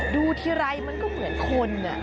ดูทีไรมันก็เหมือนคน